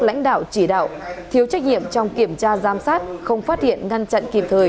lãnh đạo chỉ đạo thiếu trách nhiệm trong kiểm tra giám sát không phát hiện ngăn chặn kịp thời